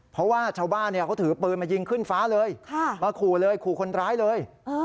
เพราะว่าชาวบ้านเขาถือปืนมายิงขึ้นฟ้าเลยมาขู่เลยขู่คนร้ายเลย